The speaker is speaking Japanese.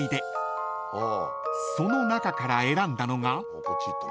［その中から選んだのが］